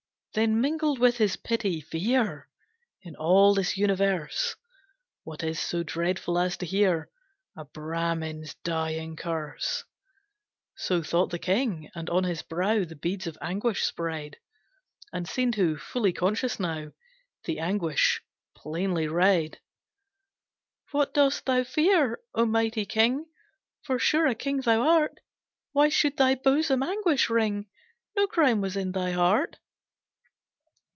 Then mingled with his pity, fear In all this universe What is so dreadful as to hear A Bramin's dying curse! So thought the king, and on his brow The beads of anguish spread, And Sindhu, fully conscious now, The anguish plainly read. "What dost thou fear, O mighty king? For sure a king thou art! Why should thy bosom anguish wring? No crime was in thine heart!